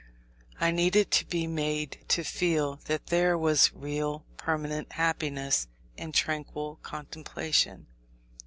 I needed to be made to feel that there was real, permanent happiness in tranquil contemplation.